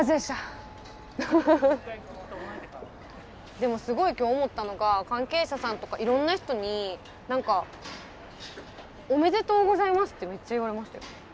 でもすごい今日思ったのが関係者さんとかいろんな人に何かおめでとうございますってめっちゃ言われましたよ。